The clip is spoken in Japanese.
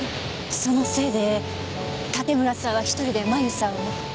そのせいで盾村さんは１人で麻由さんを。